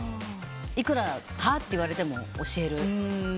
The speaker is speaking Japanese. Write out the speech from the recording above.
いくら、は？と言われても教える。